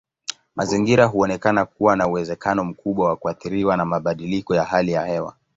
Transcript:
Mazingira huonekana kuwa na uwezekano mkubwa wa kuathiriwa na mabadiliko ya hali ya hewa.